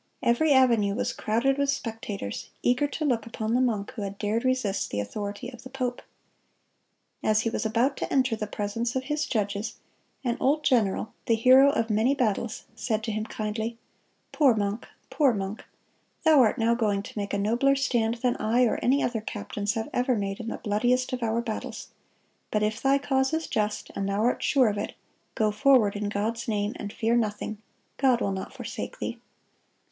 Every avenue was crowded with spectators, eager to look upon the monk who had dared resist the authority of the pope. As he was about to enter the presence of his judges, an old general, the hero of many battles, said to him kindly: "Poor monk, poor monk, thou art now going to make a nobler stand than I or any other captains have ever made in the bloodiest of our battles. But if thy cause is just, and thou art sure of it, go forward in God's name, and fear nothing. God will not forsake thee."